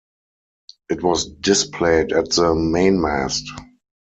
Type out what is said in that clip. It was displayed at the mainmast.